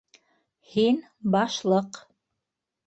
Һин - Башлыҡ.